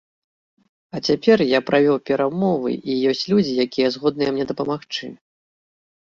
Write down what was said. А цяпер я правёў перамовы і ёсць людзі, якія згодныя мне дапамагчы.